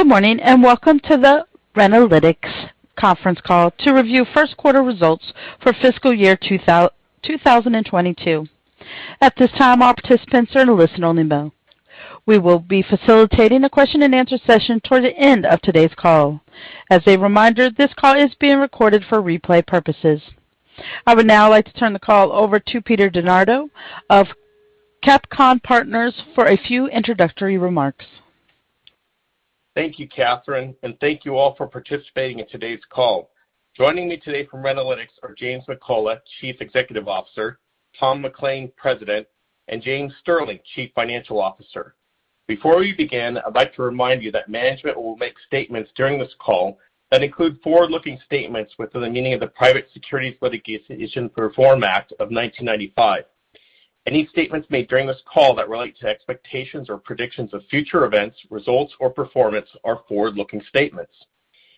Good morning, and welcome to the Renalytix conference call to review first quarter results for fiscal year 2022. At this time, all participants are in a listen-only mode. We will be facilitating a question-and-answer session toward the end of today's call. As a reminder, this call is being recorded for replay purposes. I would now like to turn the call over to Peter DeNardo of CapComm Partners for a few introductory remarks. Thank you, Catherine, and thank you all for participating in today's call. Joining me today from Renalytix are James McCullough, Chief Executive Officer, Tom McLain, President, and James Sterling, Chief Financial Officer. Before we begin, I'd like to remind you that management will make statements during this call that include forward-looking statements within the meaning of the Private Securities Litigation Reform Act of 1995. Any statements made during this call that relate to expectations or predictions of future events, results or performance are forward-looking statements.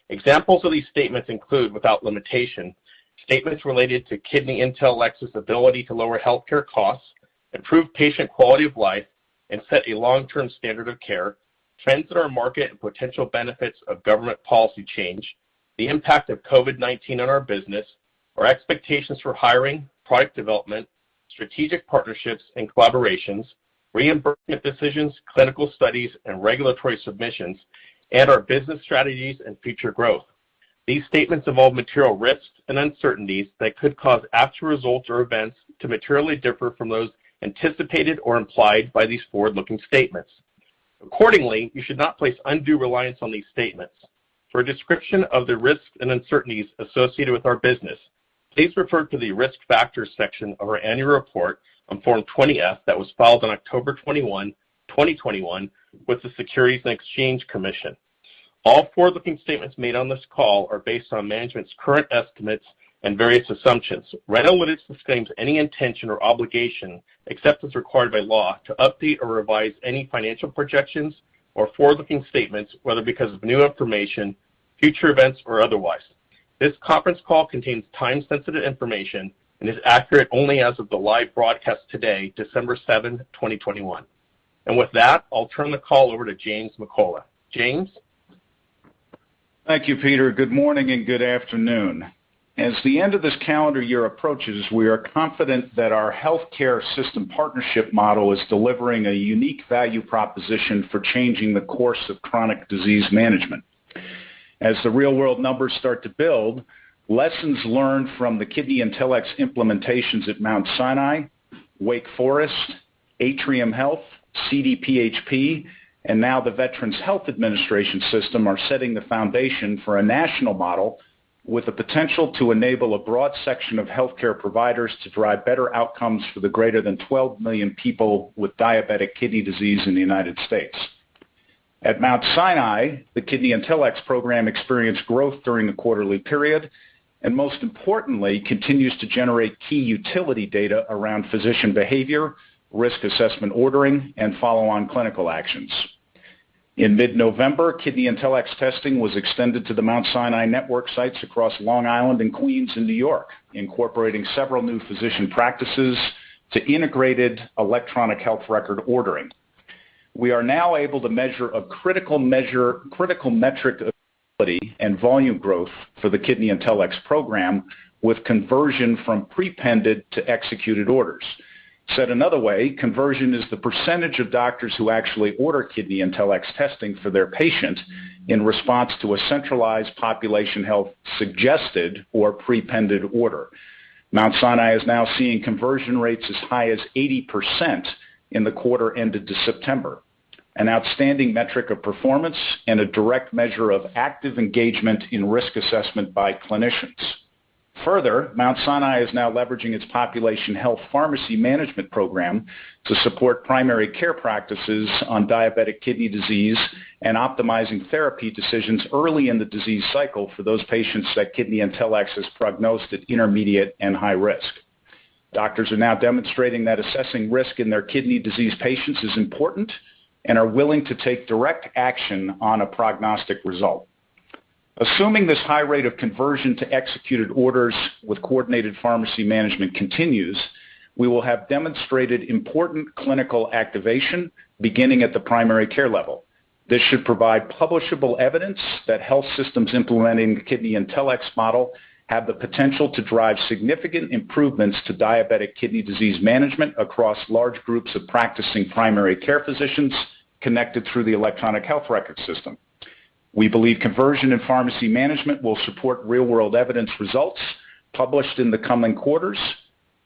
Examples of these statements include, without limitation, statements related to KidneyIntelX's ability to lower healthcare costs, improve patient quality of life, and set a long-term standard of care, trends in our market, and potential benefits of government policy change, the impact of COVID-19 on our business, our expectations for hiring, product development, strategic partnerships and collaborations, reimbursement decisions, clinical studies and regulatory submissions, and our business strategies and future growth. These statements involve material risks and uncertainties that could cause actual results or events to materially differ from those anticipated or implied by these forward-looking statements. Accordingly, you should not place undue reliance on these statements. For a description of the risks and uncertainties associated with our business, please refer to the Risk Factors section of our annual report on Form 20-F that was filed on October 21, 2021 with the Securities and Exchange Commission. All forward-looking statements made on this call are based on management's current estimates and various assumptions. Renalytix disclaims any intention or obligation, except as required by law, to update or revise any financial projections or forward-looking statements, whether because of new information, future events, or otherwise. This conference call contains time-sensitive information and is accurate only as of the live broadcast today, December 7, 2021. With that, I'll turn the call over to James McCullough. James. Thank you, Peter. Good morning and good afternoon. As the end of this calendar year approaches, we are confident that our healthcare system partnership model is delivering a unique value proposition for changing the course of chronic disease management. As the real-world numbers start to build, lessons learned from the KidneyIntelX implementations at Mount Sinai, Wake Forest, Atrium Health, CDPHP, and now the Veterans Health Administration system are setting the foundation for a national model with the potential to enable a broad section of healthcare providers to drive better outcomes for the greater than 12 million people with diabetic kidney disease in the United States. At Mount Sinai, the KidneyIntelX program experienced growth during the quarterly period and most importantly, continues to generate key utility data around physician behavior, risk assessment ordering, and follow-on clinical actions. In mid-November, KidneyIntelX testing was extended to the Mount Sinai network sites across Long Island and Queens in New York, incorporating several new physician practices to integrated electronic health record ordering. We are now able to measure a critical metric of end volume growth for the KidneyIntelX program with conversion from prepended to executed orders. Said another way, conversion is the percentage of doctors who actually order KidneyIntelX testing for their patients in response to a centralized population health suggested or prepended order. Mount Sinai is now seeing conversion rates as high as 80% in the quarter ended September, an outstanding metric of performance and a direct measure of active engagement in risk assessment by clinicians. Further, Mount Sinai is now leveraging its population health pharmacy management program to support primary care practices on diabetic kidney disease and optimizing therapy decisions early in the disease cycle for those patients that KidneyIntelX has prognosed at intermediate and high risk. Doctors are now demonstrating that assessing risk in their kidney disease patients is important and are willing to take direct action on a prognostic result. Assuming this high rate of conversion to executed orders with coordinated pharmacy management continues, we will have demonstrated important clinical activation beginning at the primary care level. This should provide publishable evidence that health systems implementing the KidneyIntelX model have the potential to drive significant improvements to diabetic kidney disease management across large groups of practicing primary care physicians connected through the electronic health record system. We believe conversion and pharmacy management will support real-world evidence results published in the coming quarters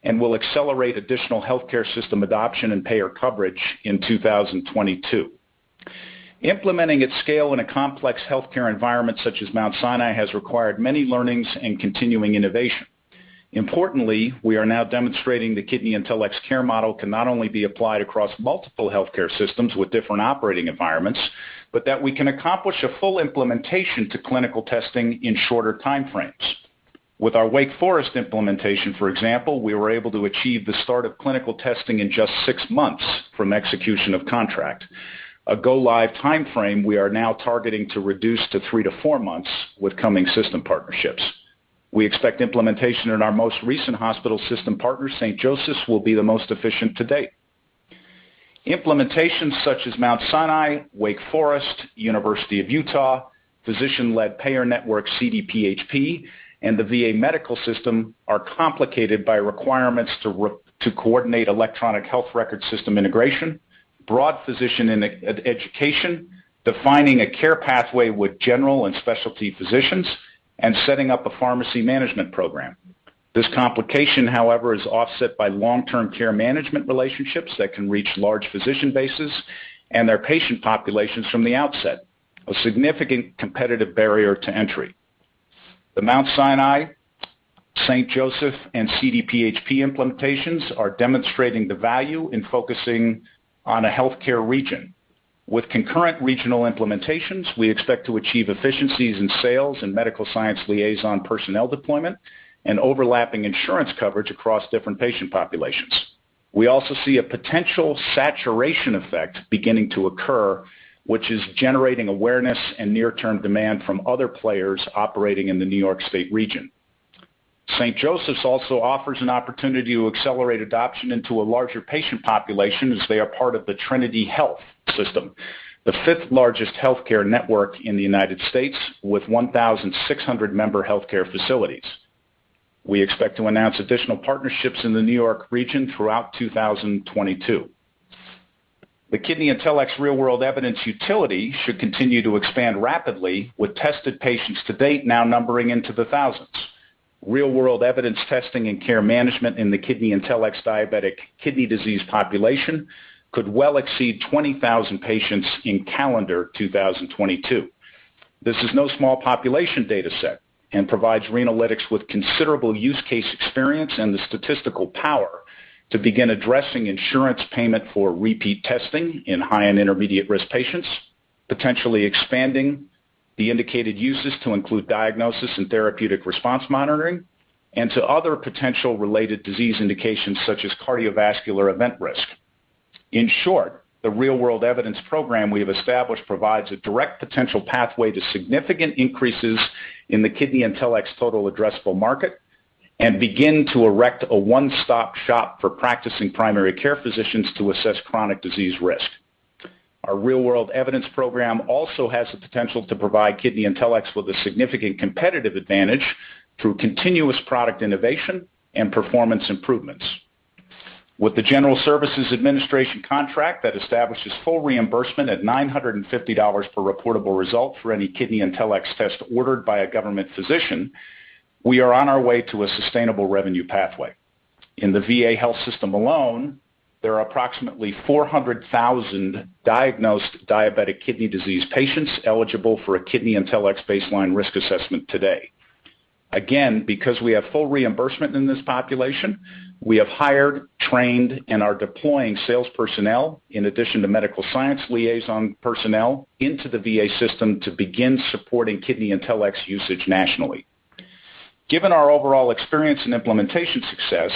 and will accelerate additional healthcare system adoption and payer coverage in 2022. Implementing its scale in a complex healthcare environment such as Mount Sinai has required many learnings and continuing innovation. Importantly, we are now demonstrating the KidneyIntelX care model can not only be applied across multiple healthcare systems with different operating environments, but that we can accomplish a full implementation to clinical testing in shorter time frames. With our Wake Forest implementation, for example, we were able to achieve the start of clinical testing in just six months from execution of contract, a go-live time frame we are now targeting to reduce to three-four months with coming system partnerships. We expect implementation in our most recent hospital system partner, St. Joseph's, will be the most efficient to date. Implementations such as Mount Sinai, Wake Forest, University of Utah, physician-led payer network CDPHP, and the VA Medical System are complicated by requirements to coordinate electronic health record system integration, broad physician education, defining a care pathway with general and specialty physicians, and setting up a pharmacy management program. This complication, however, is offset by long-term care management relationships that can reach large physician bases and their patient populations from the outset, a significant competitive barrier to entry. The Mount Sinai, St. Joseph's, and CDPHP implementations are demonstrating the value in focusing on a healthcare region. With concurrent regional implementations, we expect to achieve efficiencies in sales and medical science liaison personnel deployment and overlapping insurance coverage across different patient populations. We also see a potential saturation effect beginning to occur, which is generating awareness and near-term demand from other players operating in the New York State region. St. Joseph's also offers an opportunity to accelerate adoption into a larger patient population as they are part of the Trinity Health system, the fifth-largest healthcare network in the United States, with 1,600 member healthcare facilities. We expect to announce additional partnerships in the New York region throughout 2022. The KidneyIntelX real-world evidence utility should continue to expand rapidly, with tested patients to date now numbering into the thousands. Real-world evidence testing and care management in the KidneyIntelX diabetic kidney disease population could well exceed 20,000 patients in calendar 2022. This is no small population data set and provides Renalytix with considerable use case experience and the statistical power to begin addressing insurance payment for repeat testing in high and intermediate-risk patients, potentially expanding the indicated uses to include diagnosis and therapeutic response monitoring and to other potential related disease indications, such as cardiovascular event risk. In short, the real-world evidence program we have established provides a direct potential pathway to significant increases in the KidneyIntelX total addressable market and begin to erect a one-stop shop for practicing primary care physicians to assess chronic disease risk. Our real-world evidence program also has the potential to provide KidneyIntelX with a significant competitive advantage through continuous product innovation and performance improvements. With the General Services Administration contract that establishes full reimbursement at $950 per reportable result for any KidneyIntelX test ordered by a government physician, we are on our way to a sustainable revenue pathway. In the VA health system alone, there are approximately 400,000 diagnosed diabetic kidney disease patients eligible for a KidneyIntelX baseline risk assessment today. Again, because we have full reimbursement in this population, we have hired, trained, and are deploying sales personnel in addition to medical science liaison personnel into the VA system to begin supporting KidneyIntelX usage nationally. Given our overall experience and implementation success,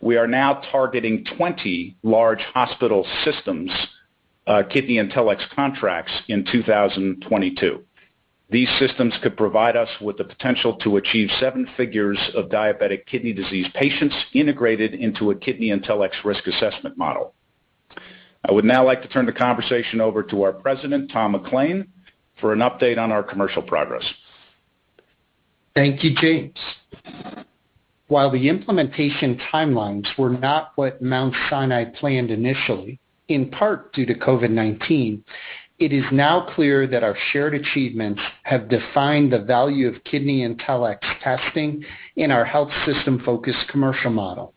we are now targeting 20 large hospital systems KidneyIntelX contracts in 2022. These systems could provide us with the potential to achieve seven figures of diabetic kidney disease patients integrated into a KidneyIntelX risk assessment model. I would now like to turn the conversation over to our President, Tom McLain, for an update on our commercial progress. Thank you, James. While the implementation timelines were not what Mount Sinai planned initially, in part due to COVID-19, it is now clear that our shared achievements have defined the value of KidneyIntelX testing in our health system-focused commercial model.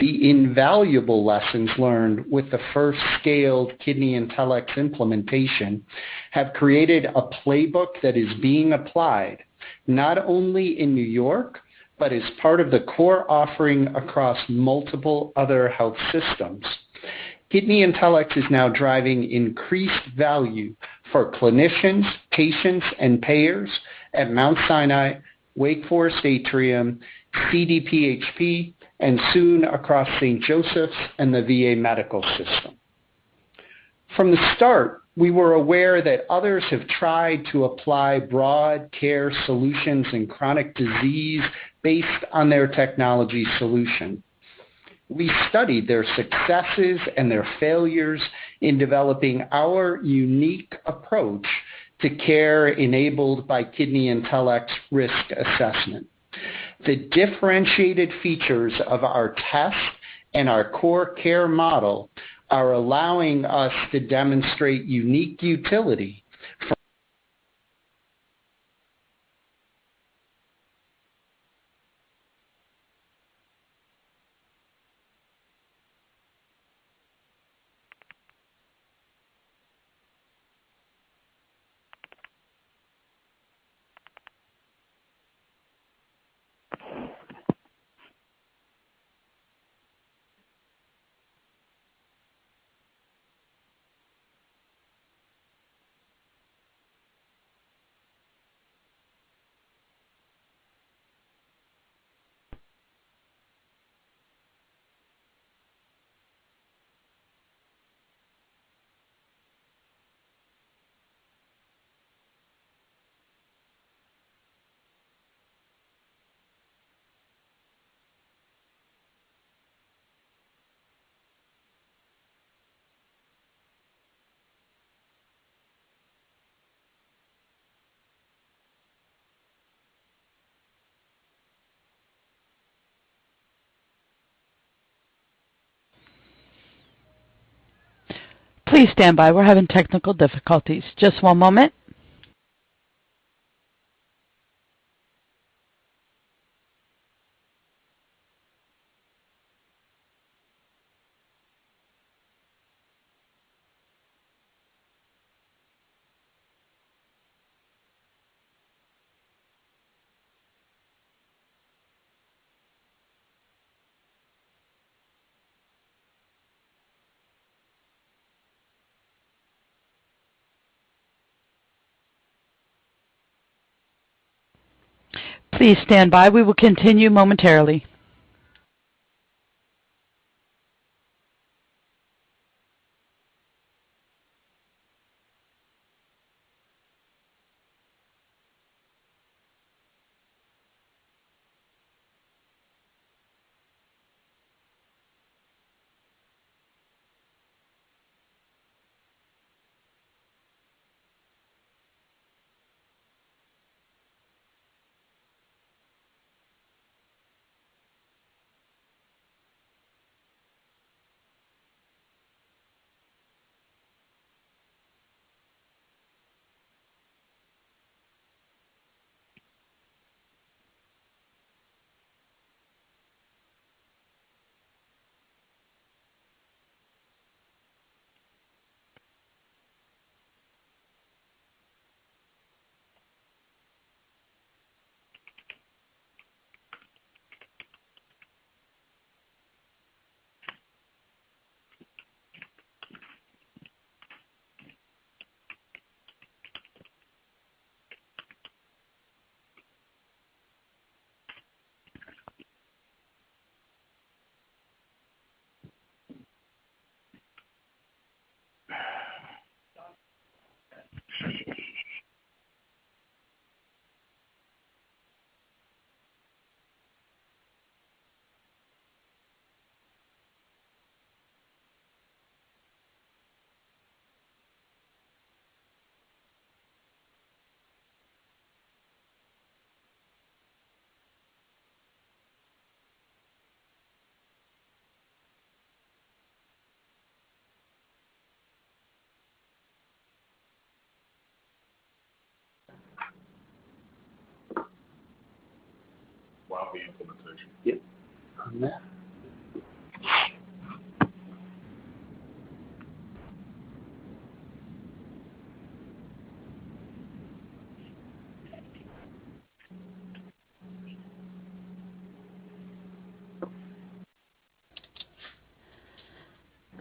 The invaluable lessons learned with the first scaled KidneyIntelX implementation have created a playbook that is being applied not only in New York but as part of the core offering across multiple other health systems. KidneyIntelX is now driving increased value for clinicians, patients, and payers at Mount Sinai, Wake Forest, Atrium, CDPHP, and soon across St. Joseph's and the VA Medical System. From the start, we were aware that others have tried to apply broad care solutions in chronic disease based on their technology solution. We studied their successes and their failures in developing our unique approach to care enabled by KidneyIntelX risk assessment. The differentiated features of our test and our core care model are allowing us to demonstrate unique utility from. Please stand by. We're having technical difficulties. Just one moment. Please stand by. We will continue momentarily.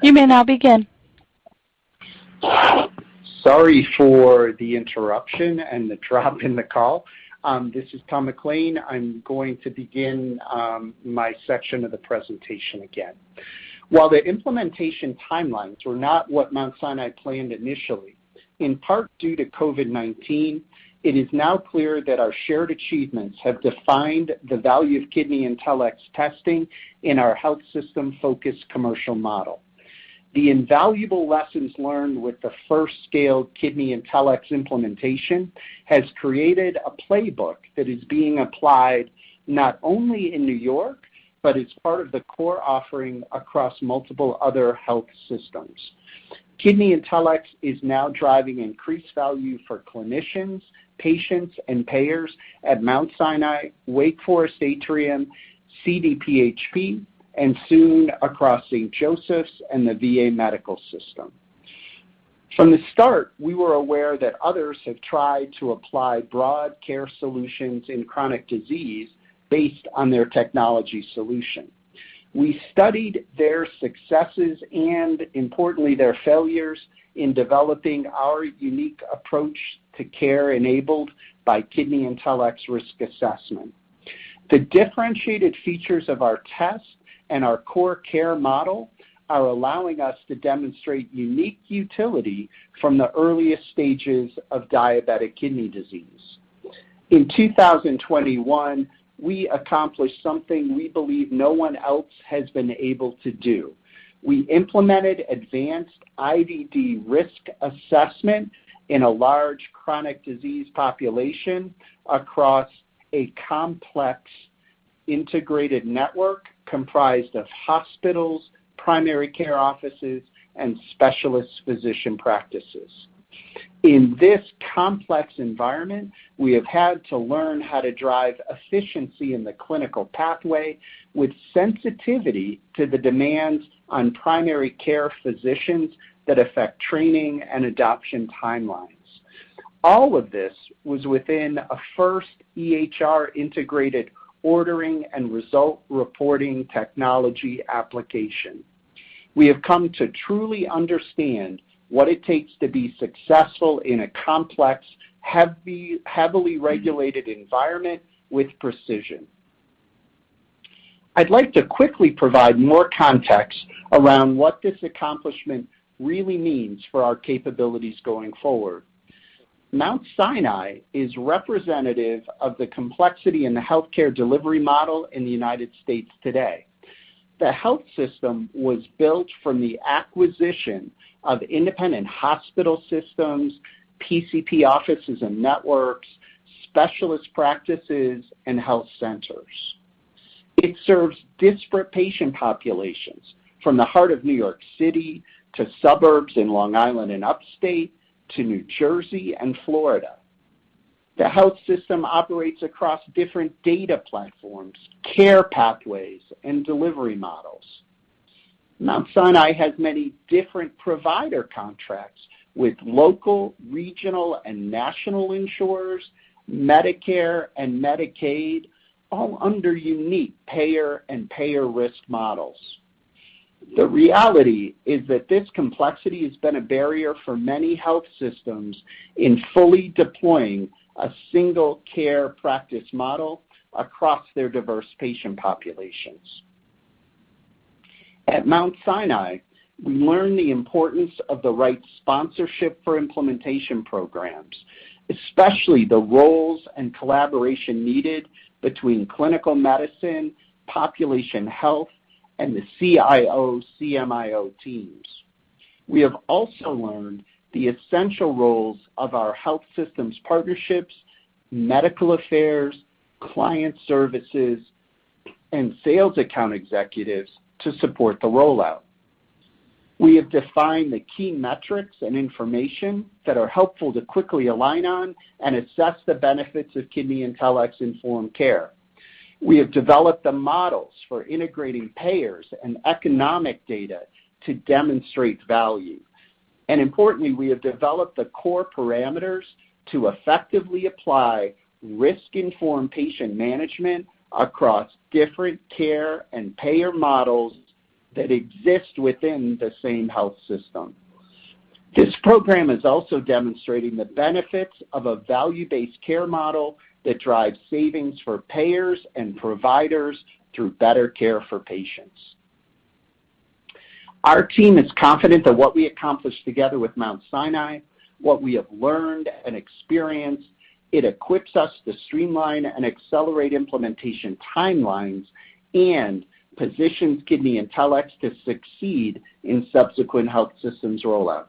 You may now begin. Sorry for the interruption and the drop in the call. This is Tom McLain. I'm going to begin my section of the presentation again. While the implementation timelines were not what Mount Sinai planned initially, in part due to COVID-19, it is now clear that our shared achievements have defined the value of KidneyIntelX testing in our health system-focused commercial model. The invaluable lessons learned with the first scaled KidneyIntelX implementation has created a playbook that is being applied not only in New York, but as part of the core offering across multiple other health systems. KidneyIntelX is now driving increased value for clinicians, patients, and payers at Mount Sinai, Atrium Health, Wake Forest Baptist, CDPHP, and soon across St. Joseph's Health and the VA Medical System. From the start, we were aware that others have tried to apply broad care solutions in chronic disease based on their technology solution. We studied their successes and importantly, their failures in developing our unique approach to care enabled by KidneyIntelX risk assessment. The differentiated features of our test and our core care model are allowing us to demonstrate unique utility from the earliest stages of diabetic kidney disease. In 2021, we accomplished something we believe no one else has been able to do. We implemented advanced IVD risk assessment in a large chronic disease population across a complex integrated network comprised of hospitals, primary care offices, and specialist physician practices. In this complex environment, we have had to learn how to drive efficiency in the clinical pathway with sensitivity to the demands on primary care physicians that affect training and adoption timelines. All of this was within a first EHR integrated ordering and result reporting technology application. We have come to truly understand what it takes to be successful in a complex, heavily regulated environment with precision. I'd like to quickly provide more context around what this accomplishment really means for our capabilities going forward. Mount Sinai is representative of the complexity in the healthcare delivery model in the United States today. The health system was built from the acquisition of independent hospital systems, PCP offices and networks, specialist practices, and health centers. It serves disparate patient populations from the heart of New York City to suburbs in Long Island and upstate, to New Jersey and Florida. The health system operates across different data platforms, care pathways, and delivery models. Mount Sinai has many different provider contracts with local, regional, and national insurers, Medicare and Medicaid, all under unique payer and payer risk models. The reality is that this complexity has been a barrier for many health systems in fully deploying a single care practice model across their diverse patient populations. At Mount Sinai, we learned the importance of the right sponsorship for implementation programs, especially the roles and collaboration needed between clinical medicine, population health, and the CIO/CMIO teams. We have also learned the essential roles of our health systems partnerships, medical affairs, client services, and sales account executives to support the rollout. We have defined the key metrics and information that are helpful to quickly align on and assess the benefits of KidneyIntelX's informed care. We have developed the models for integrating payers and economic data to demonstrate value. Importantly, we have developed the core parameters to effectively apply risk-informed patient management across different care and payer models that exist within the same health system. This program is also demonstrating the benefits of a value-based care model that drives savings for payers and providers through better care for patients. Our team is confident that what we accomplished together with Mount Sinai, what we have learned and experienced, it equips us to streamline and accelerate implementation timelines and positions KidneyIntelX to succeed in subsequent health systems rollouts.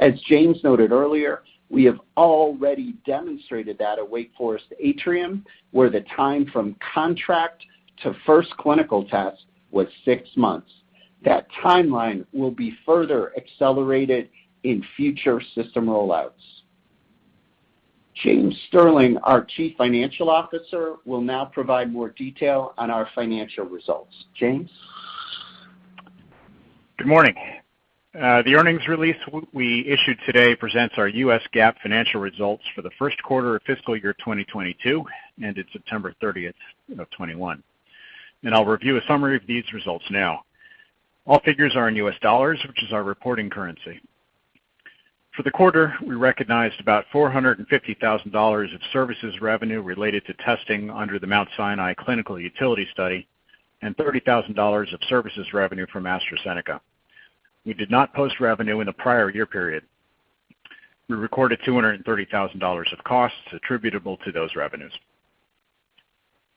As James noted earlier, we have already demonstrated that at Atrium Health Wake Forest Baptist, where the time from contract to first clinical test was six months. That timeline will be further accelerated in future system rollouts. James Sterling, our Chief Financial Officer, will now provide more detail on our financial results. James? Good morning. The earnings release we issued today presents our U.S. GAAP financial results for the first quarter of fiscal year 2022 ended September 30th, 2021. I'll review a summary of these results now. All figures are in U.S. dollars, which is our reporting currency. For the quarter, we recognized about $450,000 of services revenue related to testing under the Mount Sinai clinical utility study and $30,000 of services revenue from AstraZeneca. We did not post revenue in the prior year period. We recorded $230,000 of costs attributable to those revenues.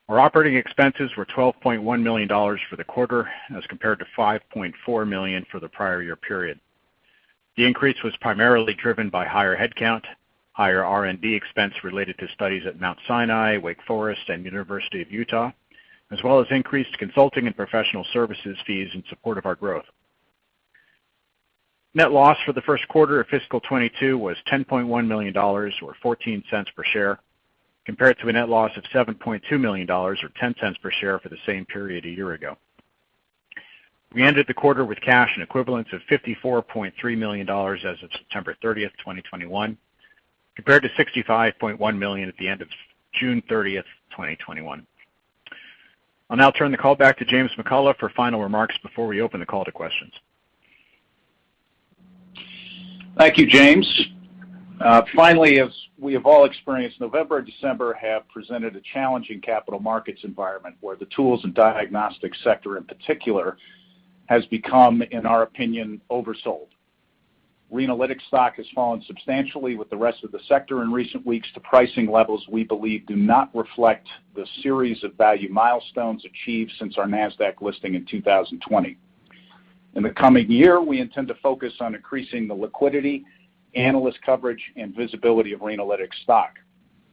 Our operating expenses were $12.1 million for the quarter as compared to $5.4 million for the prior year period. The increase was primarily driven by higher headcount, higher R&D expense related to studies at Mount Sinai, Wake Forest, and University of Utah, as well as increased consulting and professional services fees in support of our growth. Net loss for the first quarter of fiscal 2022 was $10.1 million or $0.14 per share, compared to a net loss of $7.2 million or $0.10 per share for the same period a year ago. We ended the quarter with cash and equivalents of $54.3 million as of September 30th, 2021, compared to $65.1 million at the end of June 30th, 2021. I'll now turn the call back to James McCullough for final remarks before we open the call to questions. Thank you, James. Finally, as we have all experienced, November and December have presented a challenging capital markets environment where the tools and diagnostics sector in particular has become, in our opinion, oversold. Renalytix stock has fallen substantially with the rest of the sector in recent weeks to pricing levels we believe do not reflect the series of value milestones achieved since our Nasdaq listing in 2020. In the coming year, we intend to focus on increasing the liquidity, analyst coverage, and visibility of Renalytix stock.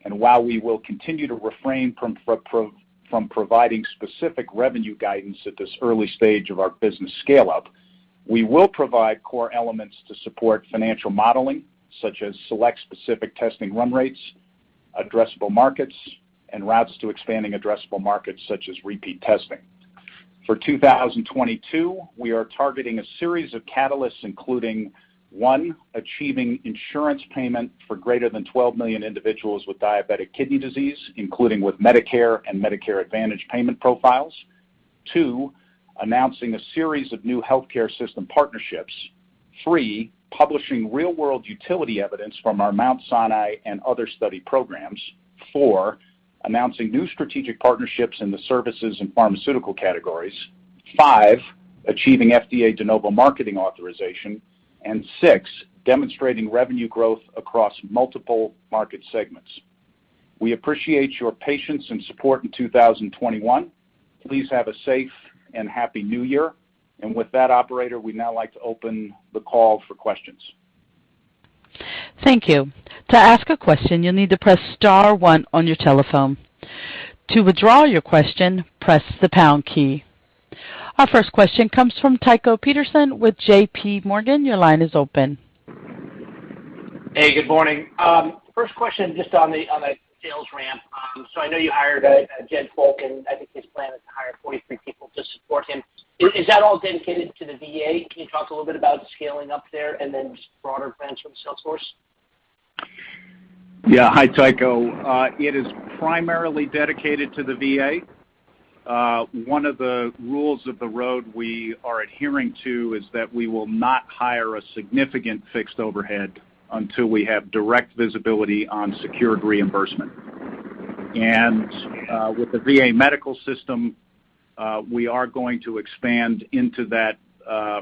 While we will continue to refrain from providing specific revenue guidance at this early stage of our business scale-up, we will provide core elements to support financial modeling, such as select specific testing run rates, addressable markets, and routes to expanding addressable markets such as repeat testing. For 2022, we are targeting a series of catalysts, including one, achieving insurance payment for greater than 12 million individuals with diabetic kidney disease, including with Medicare and Medicare Advantage payment profiles. Two, announcing a series of new healthcare system partnerships. 3. Publishing real-world utility evidence from our Mount Sinai and other study programs. 4. Announcing new strategic partnerships in the services and pharmaceutical categories. 5. Achieving FDA de novo marketing authorization. 6. Demonstrating revenue growth across multiple market segments. We appreciate your patience and support in 2021. Please have a safe and happy New Year. With that, operator, we'd now like to open the call for questions. Thank you. To ask a question, you'll need to press star one on your telephone. To withdraw your question, press the pound key. Our first question comes from Tycho Peterson with J.P. Morgan. Your line is open. Hey, good morning. First question just on the sales ramp. So I know you hired Jed Fulk. I think his plan is to hire 43 people to support him. Is that all dedicated to the VA? Can you talk a little bit about scaling up there and then just broader plans from sales force? Yeah. Hi, Tycho. It is primarily dedicated to the VA. One of the rules of the road we are adhering to is that we will not hire a significant fixed overhead until we have direct visibility on secured reimbursement. With the VA medical system, we are going to expand into that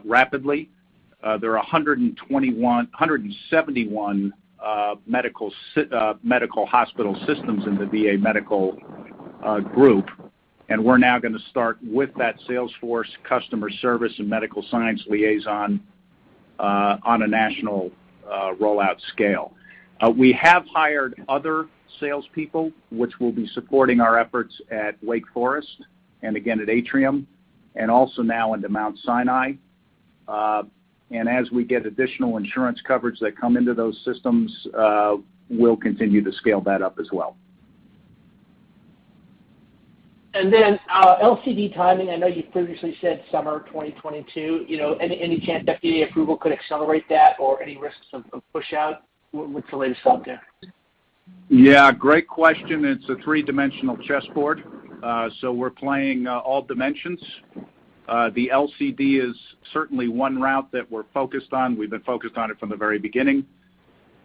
rapidly. There are 171 medical hospital systems in the VA medical group, and we're now gonna start with that sales force, customer service and medical science liaison on a national rollout scale. We have hired other salespeople, which will be supporting our efforts at Wake Forest and again at Atrium, and also now into Mount Sinai. As we get additional insurance coverage that come into those systems, we'll continue to scale that up as well. Then, LCD timing, I know you previously said summer 2022. You know, any chance FDA approval could accelerate that or any risks of push out? What's the latest thought there? Yeah, great question. It's a three-dimensional chessboard. So we're playing all dimensions. The LCD is certainly one route that we're focused on. We've been focused on it from the very beginning.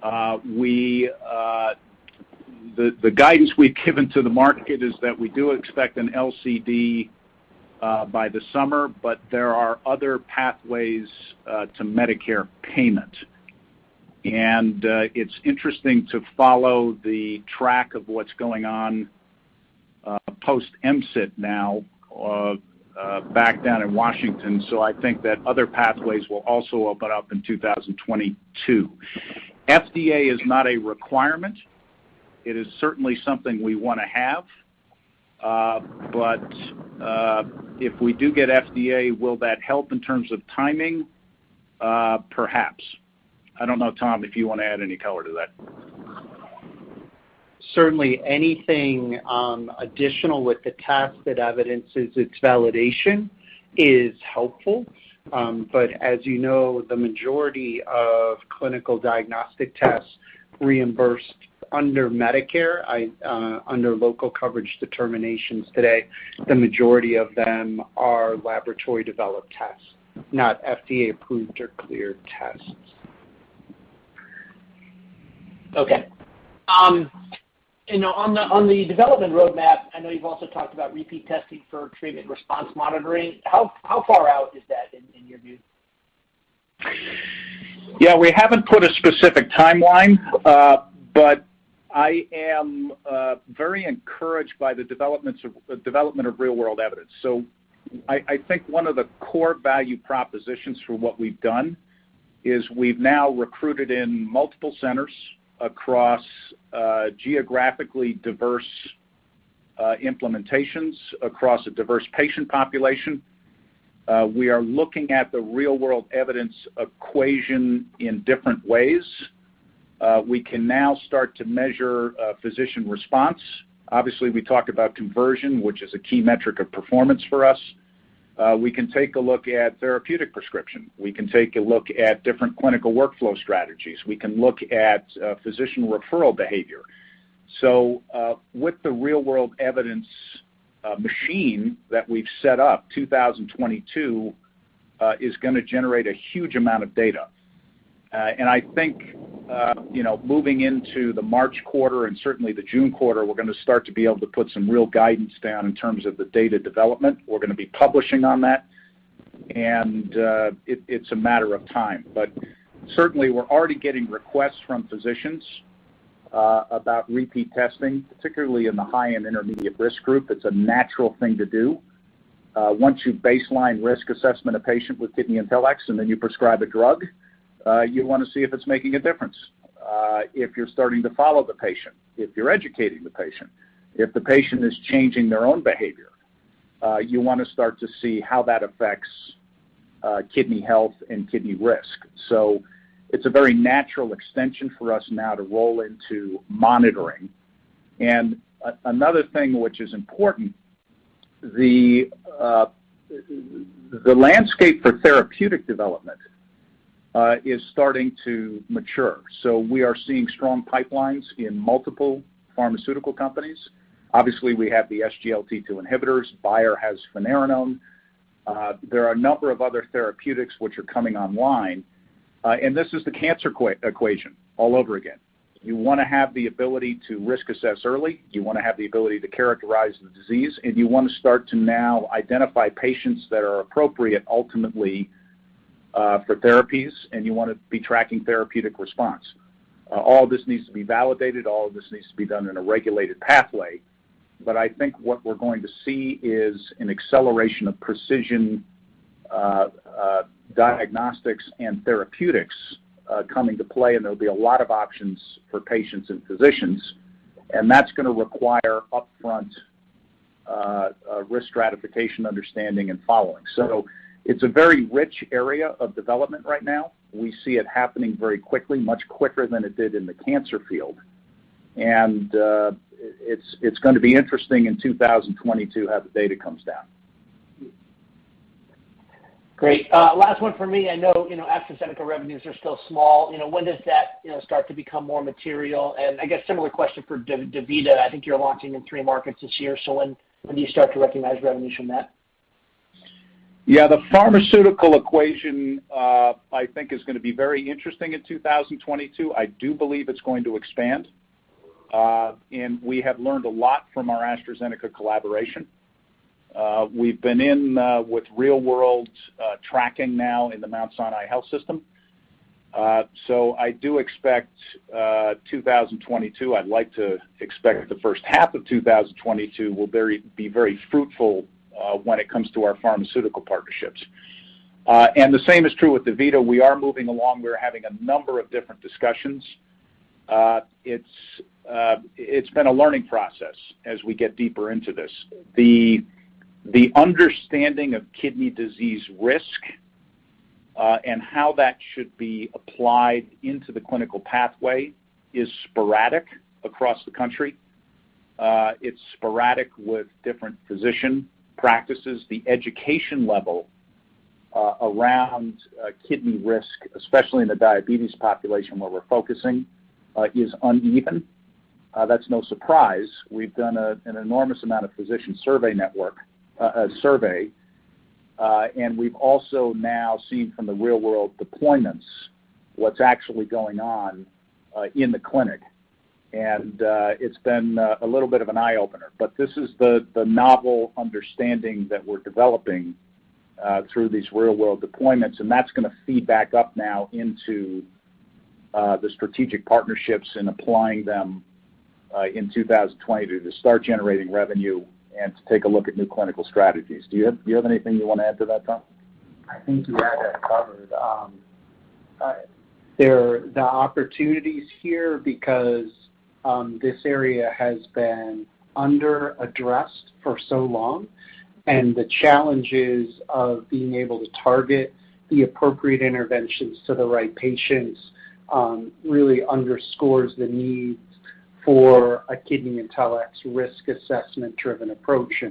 The guidance we've given to the market is that we do expect an LCD by the summer, but there are other pathways to Medicare payment. It's interesting to follow the track of what's going on post MCIT now back down in Washington. I think that other pathways will also open up in 2022. FDA is not a requirement. It is certainly something we wanna have. If we do get FDA, will that help in terms of timing? Perhaps. I don't know, Tom, if you wanna add any color to that. Certainly anything additional with the test that evidences its validation is helpful. As you know, the majority of clinical diagnostic tests reimbursed under Medicare, under local coverage determinations today, the majority of them are laboratory-developed tests, not FDA-approved or cleared tests. Okay. You know, on the development roadmap, I know you've also talked about repeat testing for treatment response monitoring. How far out is that in your view? Yeah, we haven't put a specific timeline, but I am very encouraged by the development of real world evidence. I think one of the core value propositions for what we've done is we've now recruited in multiple centers across, geographically diverse, implementations, across a diverse patient population. We are looking at the real world evidence equation in different ways. We can now start to measure physician response. Obviously, we talk about conversion, which is a key metric of performance for us. We can take a look at therapeutic prescription. We can take a look at different clinical workflow strategies. We can look at physician referral behavior. With the real world evidence machine that we've set up, 2022 is gonna generate a huge amount of data. I think, you know, moving into the March quarter and certainly the June quarter, we're gonna start to be able to put some real guidance down in terms of the data development. We're gonna be publishing on that, and it's a matter of time. Certainly, we're already getting requests from physicians about repeat testing, particularly in the high and intermediate risk group. It's a natural thing to do. Once you baseline risk assessment a patient with KidneyIntelX and then you prescribe a drug, you wanna see if it's making a difference. If you're starting to follow the patient, if you're educating the patient, if the patient is changing their own behavior, you wanna start to see how that affects kidney health and kidney risk. It's a very natural extension for us now to roll into monitoring. Another thing which is important, the landscape for therapeutic development is starting to mature. We are seeing strong pipelines in multiple pharmaceutical companies. Obviously, we have the SGLT2 inhibitors. Bayer has finerenone. There are a number of other therapeutics which are coming online. This is the cancer equation all over again. You wanna have the ability to risk assess early, you wanna have the ability to characterize the disease, and you wanna start to now identify patients that are appropriate ultimately for therapies, and you wanna be tracking therapeutic response. All this needs to be validated, all of this needs to be done in a regulated pathway. I think what we're going to see is an acceleration of precision diagnostics and therapeutics coming to play, and there'll be a lot of options for patients and physicians, and that's gonna require upfront risk stratification, understanding, and following. It's a very rich area of development right now. We see it happening very quickly, much quicker than it did in the cancer field. It's gonna be interesting in 2022 how the data comes down. Great. Last one for me. I know, you know, AstraZeneca revenues are still small. You know, when does that, you know, start to become more material? And I guess similar question for DaVita. I think you're launching in three markets this year, so when do you start to recognize revenue from that? Yeah. The pharmaceutical equation, I think is gonna be very interesting in 2022. I do believe it's going to expand. We have learned a lot from our AstraZeneca collaboration. We've been in with real world tracking now in the Mount Sinai Health System. So I do expect 2022, I'd like to expect the first half of 2022 will be very fruitful when it comes to our pharmaceutical partnerships. The same is true with DaVita. We are moving along. We're having a number of different discussions. It's been a learning process as we get deeper into this. The understanding of kidney disease risk and how that should be applied into the clinical pathway is sporadic across the country. It's sporadic with different physician practices. The education level around kidney risk, especially in the diabetes population where we're focusing, is uneven. That's no surprise. We've done an enormous amount of physician survey, and we've also now seen from the real world deployments what's actually going on in the clinic. It's been a little bit of an eye-opener. This is the novel understanding that we're developing through these real world deployments, and that's gonna feed back up now into the strategic partnerships and applying them in 2022 to start generating revenue and to take a look at new clinical strategies. Do you have anything you wanna add to that, Tom? I think you had that covered. There are the opportunities here because this area has been under-addressed for so long, and the challenges of being able to target the appropriate interventions to the right patients really underscores the need for a KidneyIntelX risk assessment-driven approach.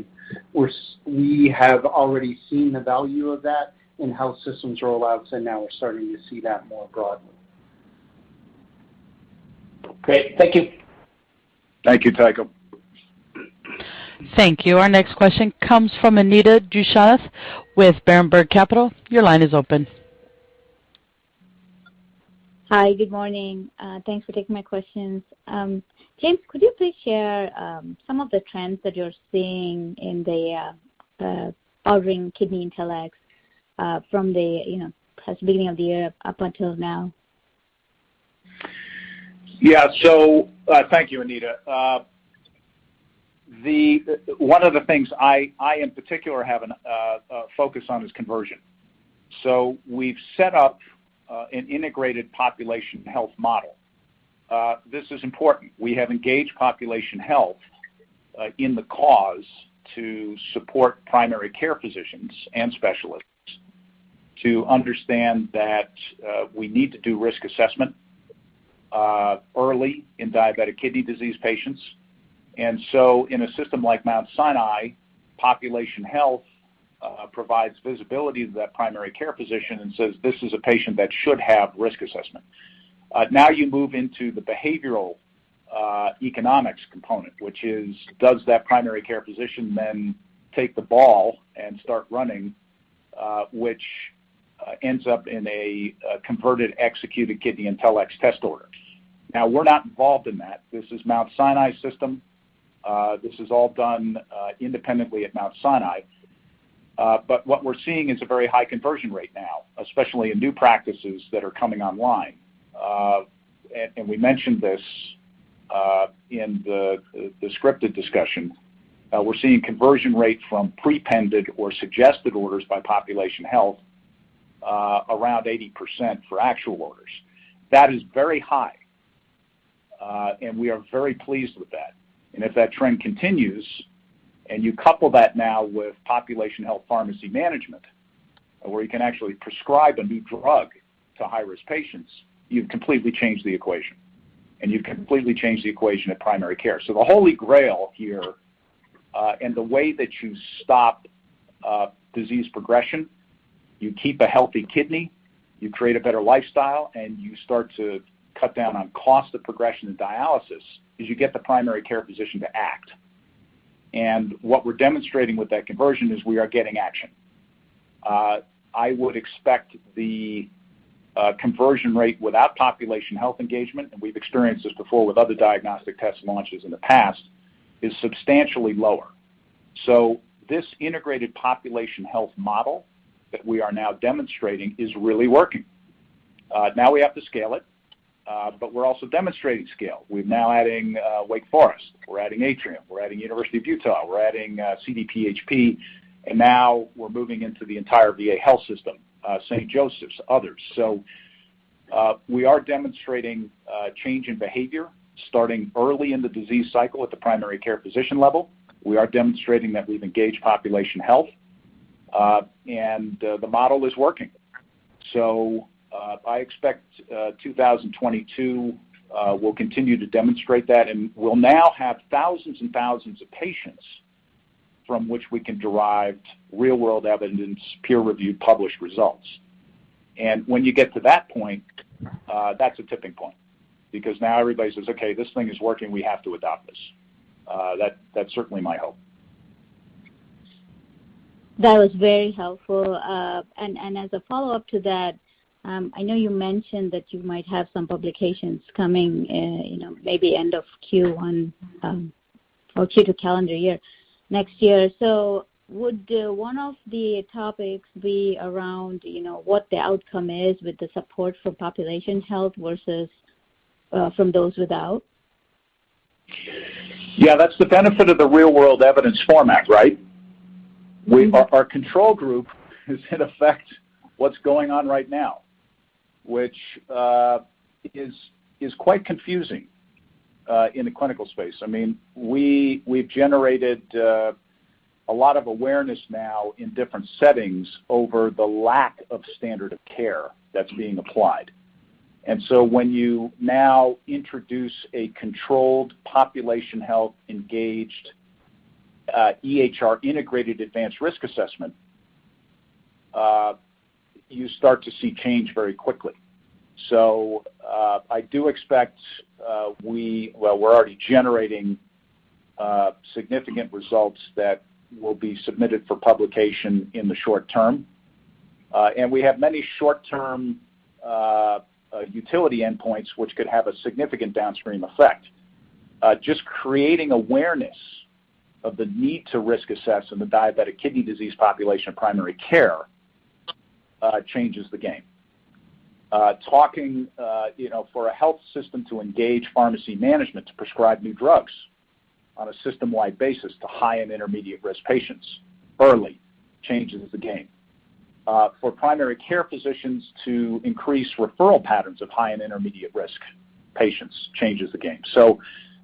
We have already seen the value of that in health systems rollouts, and now we're starting to see that more broadly. Great. Thank you. Thank you, Tycho. Thank you. Our next question comes from Anita Dushyanth with Berenberg Capital Markets. Your line is open. Hi. Good morning. Thanks for taking my questions. James, could you please share some of the trends that you're seeing in the offering KidneyIntelX from the, you know, past beginning of the year up until now? Yeah. Thank you, Anita. One of the things I in particular have a focus on is conversion. We've set up an integrated population health model. This is important. We have engaged population health in the cause to support primary care physicians and specialists to understand that we need to do risk assessment early in diabetic kidney disease patients. In a system like Mount Sinai, population health provides visibility to that primary care physician and says, "This is a patient that should have risk assessment." Now you move into the behavioral economics component, which is does that primary care physician then take the ball and start running, which ends up in a converted executed KidneyIntelX test order. Now, we're not involved in that. This is Mount Sinai system. This is all done independently at Mount Sinai. What we're seeing is a very high conversion rate now, especially in new practices that are coming online. We mentioned this in the scripted discussion. We're seeing conversion rate from prepended or suggested orders by population health around 80% for actual orders. That is very high, and we are very pleased with that. If that trend continues and you couple that now with population health pharmacy management, where you can actually prescribe a new drug to high-risk patients, you've completely changed the equation, and you've completely changed the equation at primary care. The holy grail here, and the way that you stop, disease progression, you keep a healthy kidney, you create a better lifestyle, and you start to cut down on cost of progression in dialysis, is you get the primary care physician to act. What we're demonstrating with that conversion is we are getting action. I would expect the conversion rate without population health engagement, and we've experienced this before with other diagnostic test launches in the past, is substantially lower. This integrated population health model that we are now demonstrating is really working. Now we have to scale it, but we're also demonstrating scale. We're now adding Wake Forest, we're adding Atrium, we're adding University of Utah, we're adding CDPHP, and now we're moving into the entire VA health system, St. Joseph's, others. We are demonstrating change in behavior starting early in the disease cycle at the primary care physician level. We are demonstrating that we've engaged population health, and the model is working. I expect 2022 we'll continue to demonstrate that, and we'll now have 1000s and 1000s of patients from which we can derive real-world evidence, peer-review published results. When you get to that point, that's a tipping point. Because now everybody says, "Okay, this thing is working, we have to adopt this." That's certainly my hope. That was very helpful. As a follow-up to that, I know you mentioned that you might have some publications coming, you know, maybe end of Q1, or Q2 calendar year next year. Would one of the topics be around, you know, what the outcome is with the support for population health versus from those without? Yeah. That's the benefit of the real-world evidence format, right? Our control group is in effect what's going on right now, which is quite confusing in the clinical space. I mean, we've generated a lot of awareness now in different settings over the lack of standard of care that's being applied. When you now introduce a controlled population health engaged EHR integrated advanced risk assessment, you start to see change very quickly. Well, we're already generating significant results that will be submitted for publication in the short term. We have many short-term utility endpoints, which could have a significant downstream effect. Just creating awareness of the need to risk assess in the diabetic kidney disease population primary care changes the game. Talking, you know, for a health system to engage pharmacy management to prescribe new drugs on a system-wide basis to high and intermediate risk patients early changes the game. For primary care physicians to increase referral patterns of high and intermediate risk patients changes the game.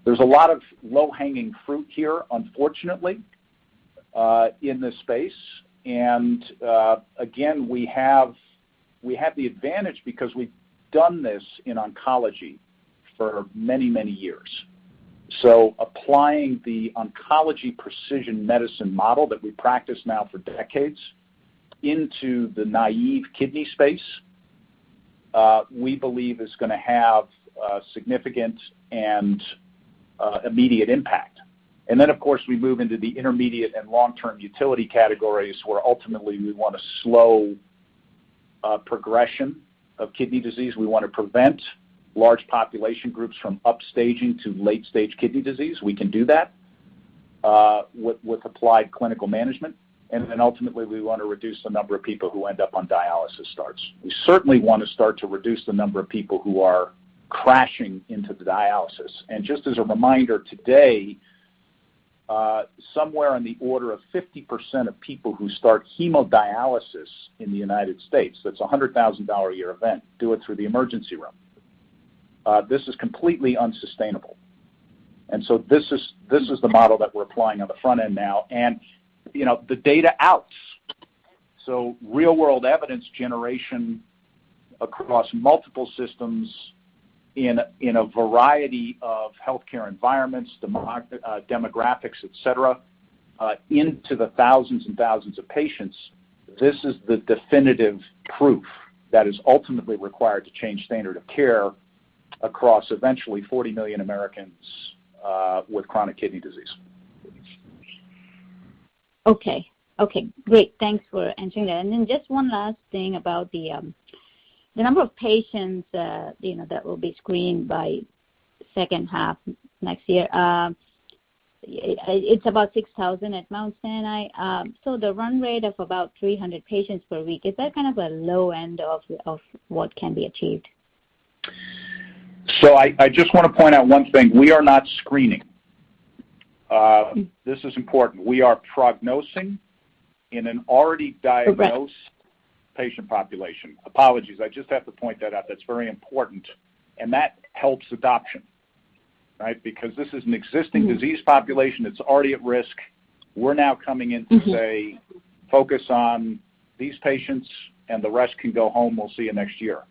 There's a lot of low-hanging fruit here, unfortunately, in this space. Again, we have the advantage because we've done this in oncology for many, many years. Applying the oncology precision medicine model that we practice now for decades into the naive kidney space, we believe is gonna have a significant and immediate impact. Then, of course, we move into the intermediate and long-term utility categories, where ultimately we want to slow progression of kidney disease. We want to prevent large population groups from upstaging to late-stage kidney disease. We can do that with applied clinical management. Then ultimately, we want to reduce the number of people who end up on dialysis starts. We certainly want to start to reduce the number of people who are crashing into the dialysis. Just as a reminder, today, somewhere in the order of 50% of people who start hemodialysis in the United States, that's a $100,000-a-year event, do it through the emergency room. This is completely unsustainable. This is the model that we're applying on the front end now. The data outs. Real-world evidence generation across multiple systems in a variety of healthcare environments, demographics, et cetera, into the 1000s and 1000s of patients. This is the definitive proof that is ultimately required to change standard of care across eventually 40 million Americans with chronic kidney disease. Thanks for answering that. Then just one last thing about the number of patients that will be screened by second half next year. It's about 6,000 at Mount Sinai. The run rate of about 300 patients per week, is that kind of a low end of what can be achieved? I just want to point out one thing. We are not screening. This is important. We are prognosing in an already diagnosed- Progressed Patient population. Apologies, I just have to point that out. That's very important. That helps adoption, right? Because this is an existing disease population that's already at risk. We're now coming in to say, "Focus on these patients, and the rest can go home. We'll see you next year."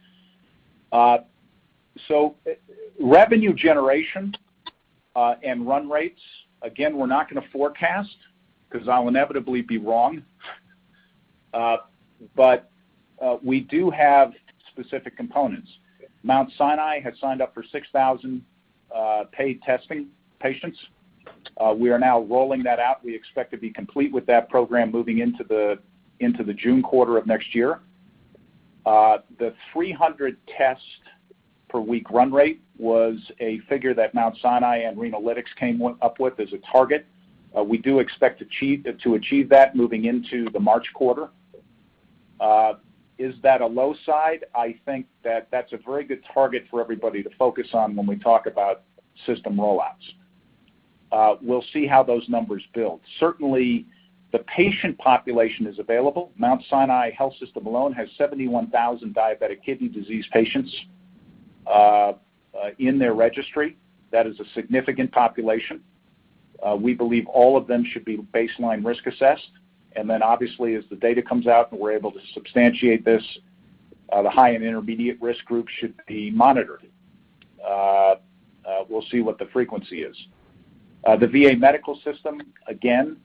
Revenue generation and run rates, again, we're not gonna forecast 'cause I'll inevitably be wrong. We do have specific components. Mount Sinai has signed up for 6,000 paid testing patients. We are now rolling that out. We expect to be complete with that program moving into the June quarter of next year. The 300 test per week run rate was a figure that Mount Sinai and Renalytix came up with as a target. We do expect to achieve that moving into the March quarter. Is that a low side? I think that that's a very good target for everybody to focus on when we talk about system roll-outs. We'll see how those numbers build. Certainly, the patient population is available. Mount Sinai Health System alone has 71,000 diabetic kidney disease patients in their registry. That is a significant population. We believe all of them should be baseline risk assessed. Obviously, as the data comes out, and we're able to substantiate this, the high and intermediate risk groups should be monitored. We'll see what the frequency is. The VA Medical System, again,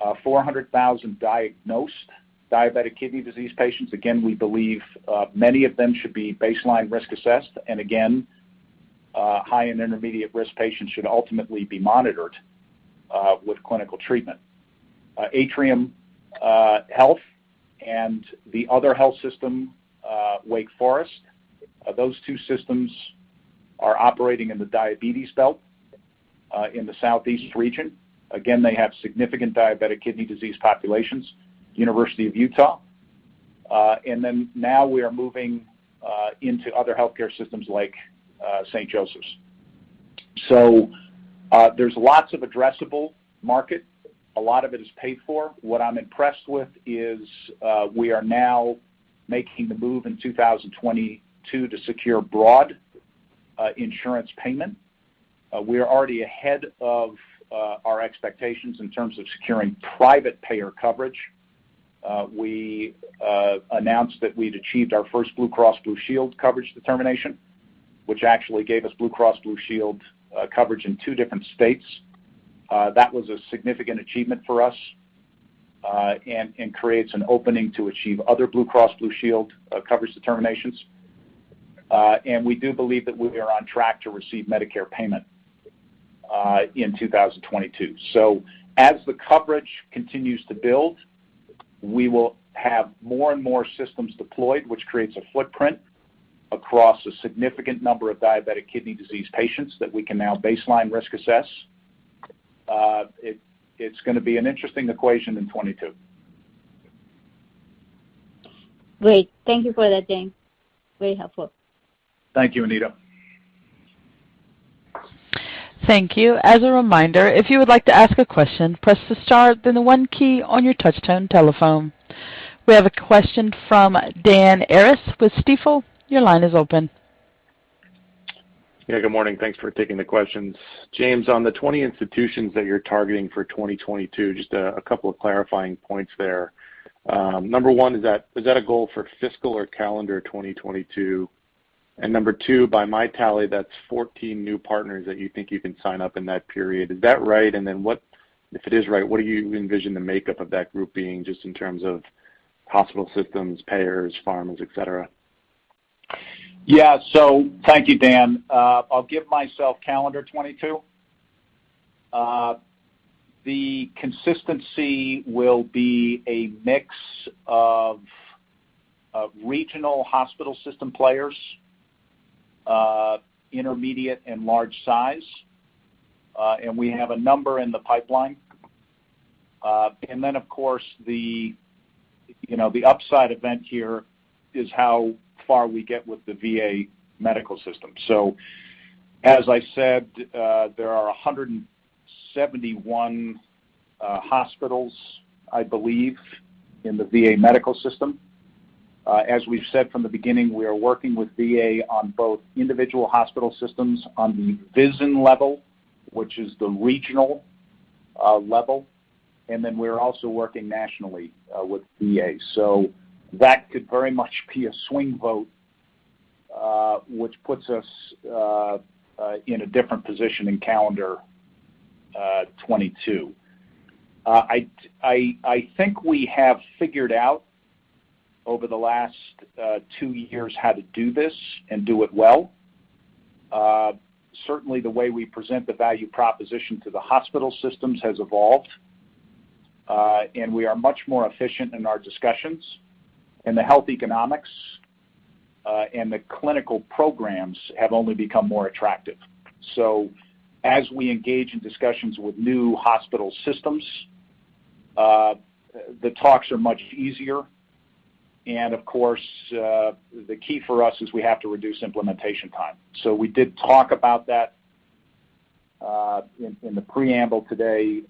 has 400,000 diagnosed diabetic kidney disease patients. Again, we believe many of them should be baseline risk assessed. High and intermediate risk patients should ultimately be monitored with clinical treatment. Atrium Health and the other health system, Wake Forest, those two systems are operating in the diabetes belt, in the southeast region. Again, they have significant diabetic kidney disease populations. University of Utah, and then now we are moving, into other healthcare systems like, St. Joseph's. There's lots of addressable market. A lot of it is paid for. What I'm impressed with is, we are now making the move in 2022 to secure broad, insurance payment. We are already ahead of, our expectations in terms of securing private payer coverage. We, announced that we'd achieved our first Blue Cross Blue Shield coverage determination, which actually gave us Blue Cross Blue Shield, coverage in two different states. That was a significant achievement for us, and creates an opening to achieve other Blue Cross Blue Shield coverage determinations. We do believe that we are on track to receive Medicare payment in 2022. As the coverage continues to build, we will have more and more systems deployed, which creates a footprint across a significant number of diabetic kidney disease patients that we can now baseline risk assess. It's gonna be an interesting equation in 2022. Great. Thank you for that, James. Very helpful. Thank you, Anita. Thank you. As a reminder, if you would like to ask a question, press the star, then the one key on your touchtone telephone. We have a question from Dan Arias with Stifel. Your line is open. Yeah, good morning. Thanks for taking the questions. James, on the 20 institutions that you're targeting for 2022, just a couple of clarifying points there. Number one, is that a goal for fiscal or calendar 2022? And number two, by my tally, that's 14 new partners that you think you can sign up in that period. Is that right? If it is right, what do you envision the makeup of that group being just in terms of hospital systems, payers, pharmas, et cetera? Yeah. Thank you, Dan. I'll give myself calendar 2022. The consistency will be a mix of regional hospital system players, intermediate and large size, and we have a number in the pipeline. And then, of course, you know, the upside event here is how far we get with the VA Medical System. As I said, there are 171 hospitals, I believe, in the VA Medical System. As we've said from the beginning, we are working with VA on both individual hospital systems on the VISN level, which is the regional level, and then we're also working nationally with VA. That could very much be a swing vote, which puts us in a different position in calendar 2022. I think we have figured out over the last two years how to do this and do it well. Certainly the way we present the value proposition to the hospital systems has evolved, and we are much more efficient in our discussions, and the health economics and the clinical programs have only become more attractive. As we engage in discussions with new hospital systems, the talks are much easier. Of course, the key for us is we have to reduce implementation time. We did talk about that in the preamble today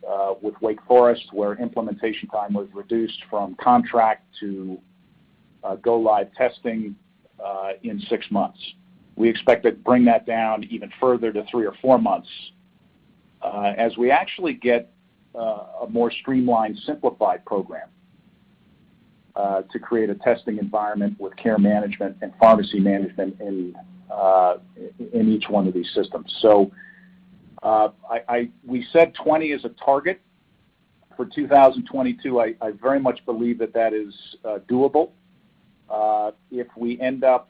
with Wake Forest, where implementation time was reduced from contract to go live testing in six months. We expect to bring that down even further to three or four months, as we actually get a more streamlined, simplified program to create a testing environment with care management and pharmacy management in each one of these systems. We said 20 is a target for 2022. I very much believe that is doable. If we end up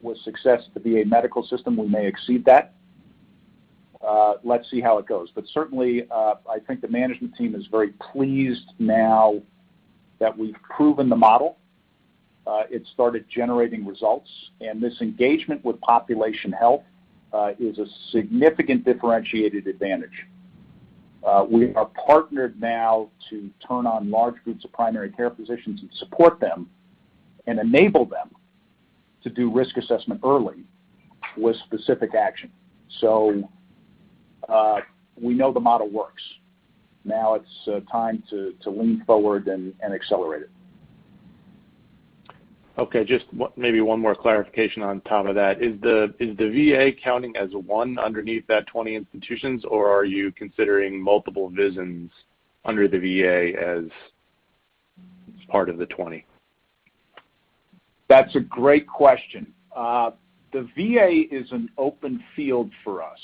with success in the VA medical system, we may exceed that. Let's see how it goes. Certainly, I think the management team is very pleased now that we've proven the model. It started generating results, and this engagement with population health is a significant differentiated advantage. We are partnered now to turn on large groups of primary care physicians and support them and enable them to do risk assessment early with specific action. We know the model works. Now it's time to lean forward and accelerate it. Okay, just one, maybe one more clarification on top of that. Is the VA counting as one underneath that 20 institutions, or are you considering multiple VISNs under the VA as part of the 20? That's a great question. The VA is an open field for us.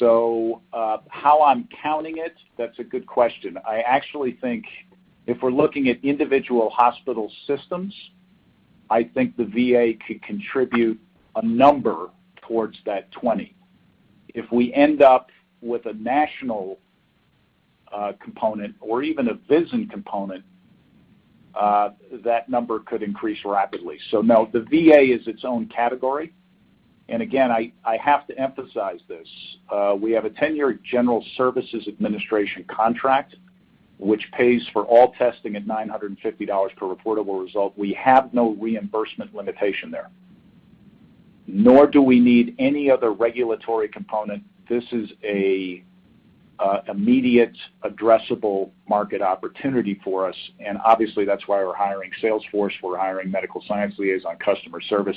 How I'm counting it, that's a good question. I actually think if we're looking at individual hospital systems, I think the VA could contribute a number towards that 20. If we end up with a national component or even a VISN component, that number could increase rapidly. No, the VA is its own category. Again, I have to emphasize this. We have a 10-year General Services Administration contract, which pays for all testing at $950 per reportable result. We have no reimbursement limitation there, nor do we need any other regulatory component. This is an immediate addressable market opportunity for us. Obviously, that's why we're hiring sales force, we're hiring medical science liaison customer service.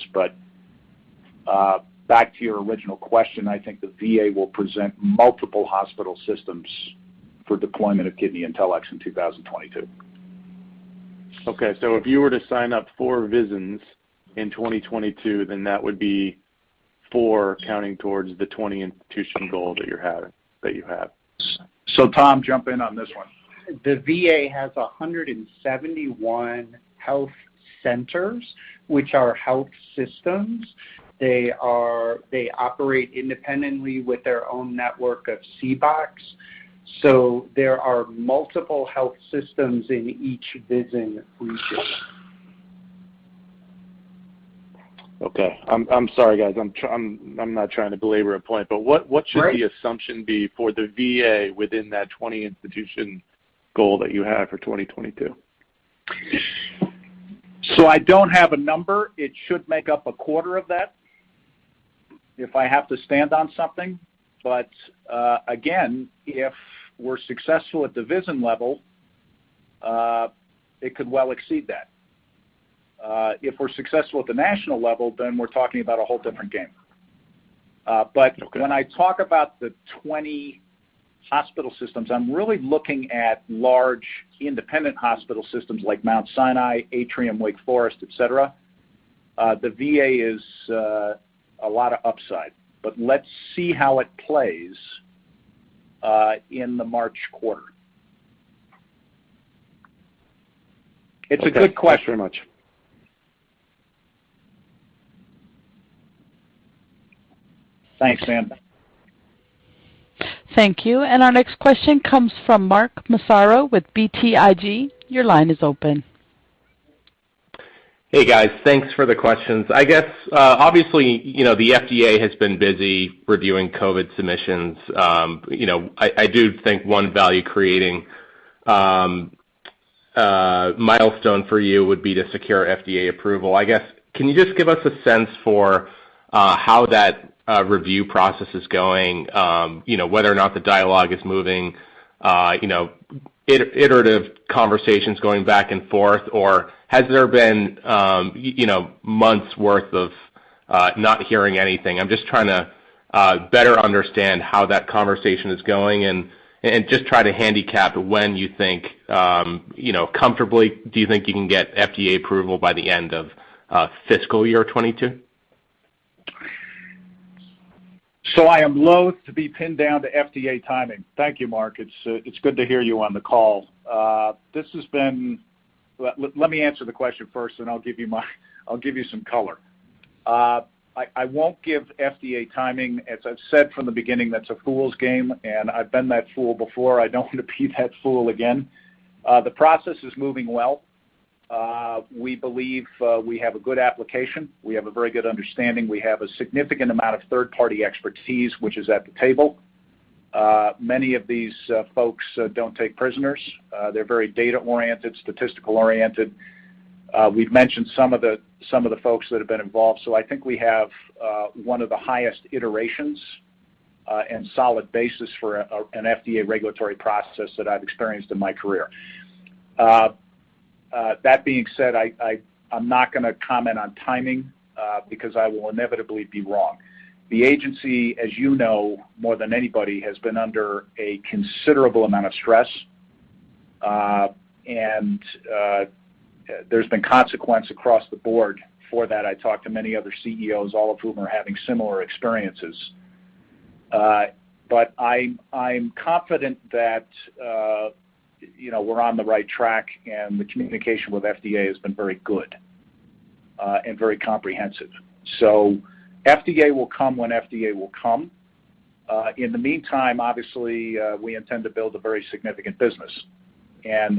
back to your original question, I think the VA will present multiple hospital systems for deployment of KidneyIntelX in 2022. If you were to sign up four VISNs in 2022, then that would be four counting towards the 20 institution goal that you have. Tom, jump in on this one. The VA has 171 health centers, which are health systems. They operate independently with their own network of CBOCs. There are multiple health systems in each VISN region. Okay. I'm sorry, guys. I'm not trying to belabor a point, but what should the assumption be for the VA within that 20 institution goal that you have for 2022? I don't have a number. It should make up a quarter of that if I have to stand on something. Again, if we're successful at the VISN level, it could well exceed that. If we're successful at the national level, we're talking about a whole different game. When I talk about the 20 hospital systems, I'm really looking at large independent hospital systems like Mount Sinai, Atrium, Wake Forest, et cetera. The VA is a lot of upside, but let's see how it plays in the March quarter. It's a good question. Thanks very much. Thanks, Dan. Thank you. Our next question comes from Mark Massaro with BTIG. Your line is open. Hey, guys. Thanks for the questions. I guess, obviously, you know, the FDA has been busy reviewing COVID submissions. You know, I do think one value-creating milestone for you would be to secure FDA approval. I guess, can you just give us a sense for how that review process is going? You know, whether or not the dialogue is moving, you know, iterative conversations going back and forth, or has there been, you know, months' worth of not hearing anything? I'm just trying to better understand how that conversation is going and just try to handicap when you think, you know, comfortably, do you think you can get FDA approval by the end of fiscal year 2022? I am loath to be pinned down to FDA timing. Thank you, Mark. It's good to hear you on the call. Let me answer the question first, then I'll give you some color. I won't give FDA timing. As I've said from the beginning, that's a fool's game, and I've been that fool before. I don't want to be that fool again. The process is moving well. We believe we have a good application. We have a very good understanding. We have a significant amount of third-party expertise, which is at the table. Many of these folks don't take prisoners. They're very data-oriented, statistical-oriented. We've mentioned some of the folks that have been involved. I think we have one of the highest iterations and solid basis for an FDA regulatory process that I've experienced in my career. That being said, I'm not gonna comment on timing because I will inevitably be wrong. The agency, as you know, more than anybody, has been under a considerable amount of stress. And there's been consequence across the board for that. I talked to many other CEOs, all of whom are having similar experiences. I'm confident that you know we're on the right track, and the communication with FDA has been very good and very comprehensive. FDA will come when FDA will come. In the meantime, obviously, we intend to build a very significant business.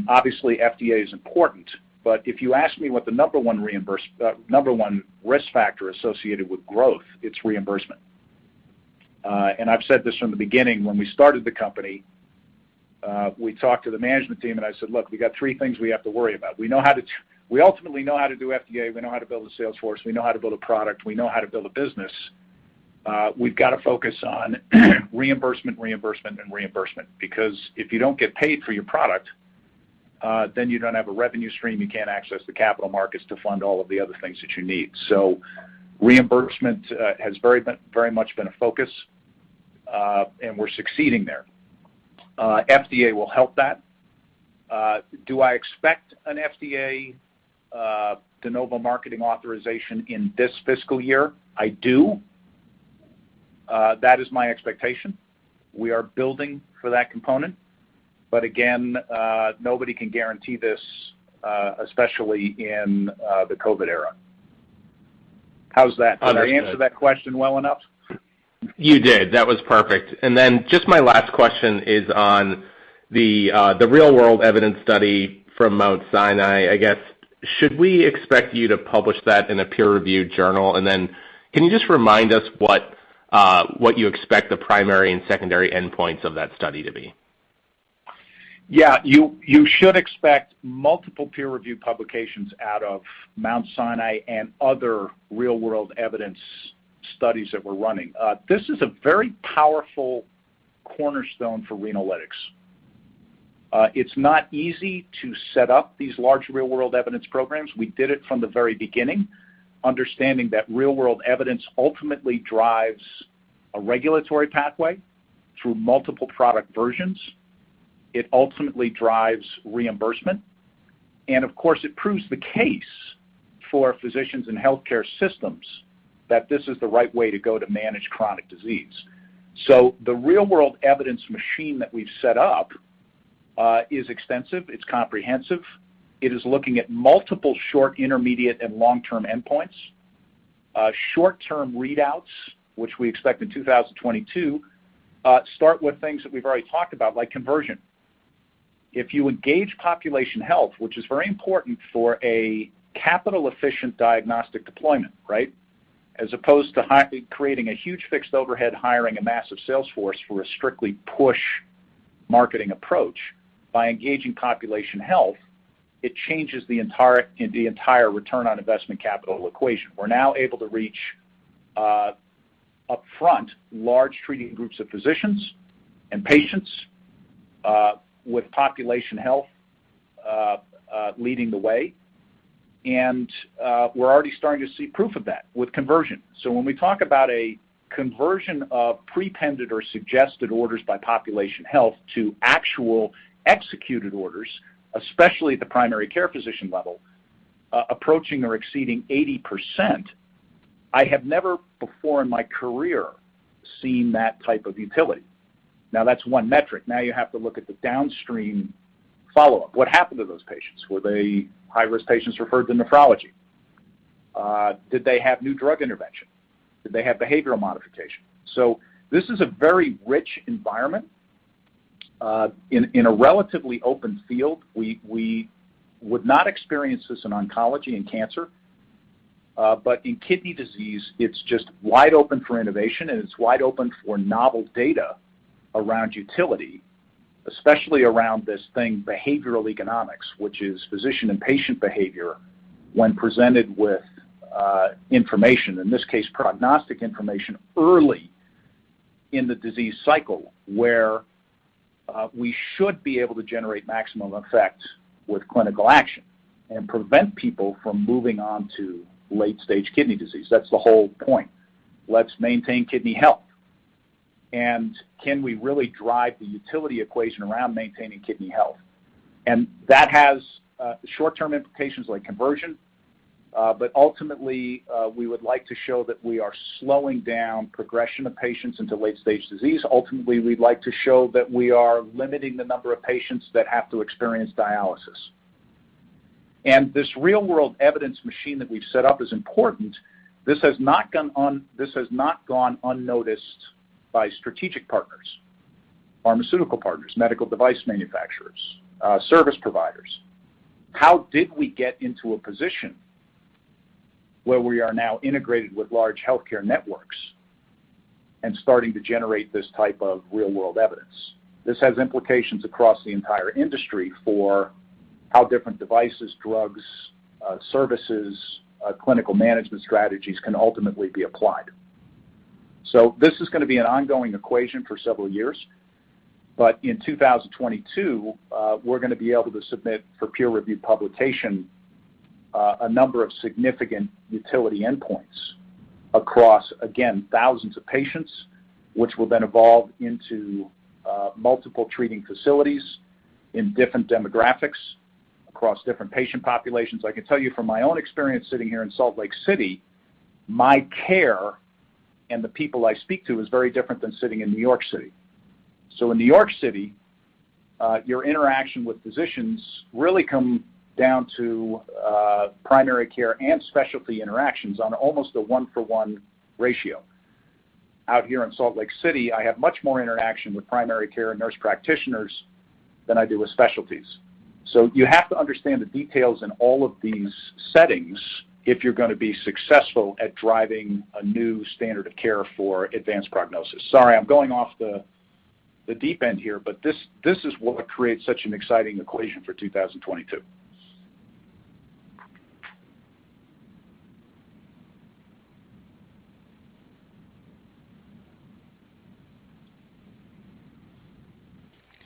Obviously, FDA is important, but if you ask me what the number one risk factor associated with growth, it's reimbursement. I've said this from the beginning. When we started the company, we talked to the management team, and I said, "Look, we got three things we have to worry about. We ultimately know how to do FDA. We know how to build a sales force. We know how to build a product. We know how to build a business. We've gotta focus on reimbursement, and reimbursement." Because if you don't get paid for your product, then you don't have a revenue stream, you can't access the capital markets to fund all of the other things that you need. Reimbursement has very much been a focus, and we're succeeding there. FDA will help that. Do I expect an FDA De Novo marketing authorization in this fiscal year? I do. That is my expectation. We are building for that component. Again, nobody can guarantee this, especially in the COVID era. How's that? Did I answer that question well enough? You did. That was perfect. Just my last question is on the real world evidence study from Mount Sinai. I guess, should we expect you to publish that in a peer review journal? Can you just remind us what you expect the primary and secondary endpoints of that study to be? Yeah. You should expect multiple peer review publications out of Mount Sinai and other real-world evidence studies that we're running. This is a very powerful cornerstone for Renalytix. It's not easy to set up these large real-world evidence programs. We did it from the very beginning, understanding that real-world evidence ultimately drives a regulatory pathway through multiple product versions. It ultimately drives reimbursement. Of course, it proves the case for physicians and healthcare systems that this is the right way to go to manage chronic disease. The real-world evidence machine that we've set up is extensive. It's comprehensive. It is looking at multiple short, intermediate, and long-term endpoints. Short-term readouts, which we expect in 2022, start with things that we've already talked about, like conversion. If you engage population health, which is very important for a capital efficient diagnostic deployment, right? As opposed to hiring a huge fixed overhead, hiring a massive sales force for a strictly push marketing approach. By engaging population health, it changes the entire return on investment capital equation. We're now able to reach upfront large treating groups of physicians and patients with population health leading the way. We're already starting to see proof of that with conversion. When we talk about a conversion of prepended or suggested orders by population health to actual executed orders, especially at the primary care physician level, approaching or exceeding 80%, I have never before in my career seen that type of utility. Now, that's one metric. Now you have to look at the downstream follow-up. What happened to those patients? Were they high-risk patients referred to nephrology? Did they have new drug intervention? Did they have behavioral modification? This is a very rich environment in a relatively open field. We would not experience this in oncology and cancer, but in kidney disease, it's just wide open for innovation, and it's wide open for novel data around utility, especially around this thing, behavioral economics, which is physician and patient behavior when presented with information, in this case, prognostic information, early in the disease cycle, where we should be able to generate maximum effect with clinical action and prevent people from moving on to late-stage kidney disease. That's the whole point. Let's maintain kidney health. Can we really drive the utility equation around maintaining kidney health? That has short-term implications like conversion, but ultimately, we would like to show that we are slowing down progression of patients into late-stage disease. Ultimately, we'd like to show that we are limiting the number of patients that have to experience dialysis. This real-world evidence machine that we've set up is important. This has not gone unnoticed by strategic partners, pharmaceutical partners, medical device manufacturers, service providers. How did we get into a position where we are now integrated with large healthcare networks and starting to generate this type of real-world evidence? This has implications across the entire industry for how different devices, drugs, services, clinical management strategies can ultimately be applied. This is gonna be an ongoing equation for several years. In 2022, we're gonna be able to submit for peer review publication a number of significant utility endpoints across, again, 1000s of patients, which will then evolve into multiple treating facilities in different demographics across different patient populations. I can tell you from my own experience sitting here in Salt Lake City, my care and the people I speak to is very different than sitting in New York City. In New York City, your interaction with physicians really come down to primary care and specialty interactions on almost a one-for-one ratio. Out here in Salt Lake City, I have much more interaction with primary care and nurse practitioners than I do with specialties. You have to understand the details in all of these settings if you're gonna be successful at driving a new standard of care for advanced prognosis. Sorry, I'm going off the deep end here, but this is what creates such an exciting equation for 2022.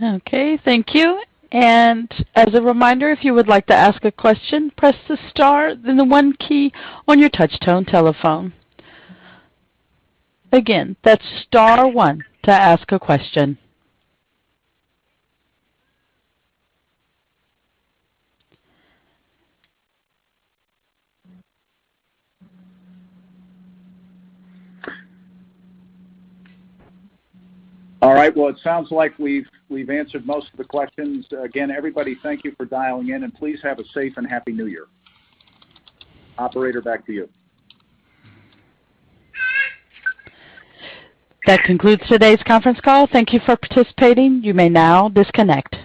Okay, thank you. As a reminder, if you would like to ask a question, press the star, then the one key on your touch tone telephone. Again, that's star one to ask a question. All right. Well, it sounds like we've answered most of the questions. Again, everybody, thank you for dialing in, and please have a safe and happy New Year. Operator, back to you. That concludes today's conference call. Thank you for participating. You may now disconnect.